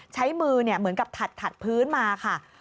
ใช้มือเหมือนกับถัดพื้นมาค่ะ